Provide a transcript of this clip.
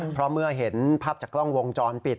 เพราะเมื่อเห็นภาพจากกล้องวงจรปิด